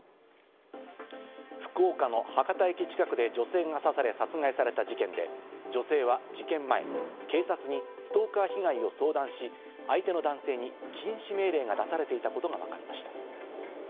福岡の博多駅近くで女性が刺され殺害された事件で、女性は事件前、警察にストーカー被害を相談し、相手の男性に禁止命令が出されていたことがわかりました。